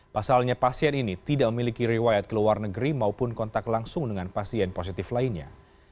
pasalnya pasien ini tidak memiliki riwayat ke luar negeri maupun kontak langsung dengan pasien positif lainnya